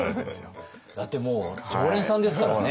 だってもう常連さんですからね。